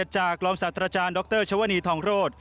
จากรองศาสตราจารย์ดรชวนีทองโรธ